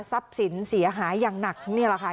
สินเสียหายอย่างหนักนี่แหละค่ะ